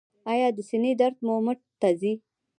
ایا د سینې درد مو مټ ته ځي؟